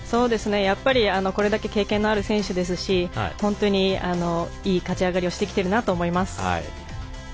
やっぱりこれだけ経験のある選手ですし本当にいい勝ち上がりをしてきているなと思います。